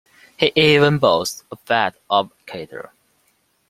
He even bowls a fast off cutter.